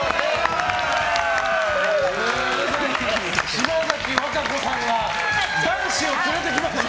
島崎和歌子さんが男子を連れてきました！